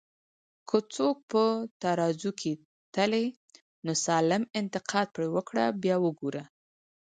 که څوک په ترازو کی تلې، نو سالم انتقاد پر وکړه بیا وګوره